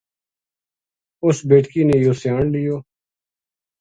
اُس بیٹکی نے یوہ سیان لیو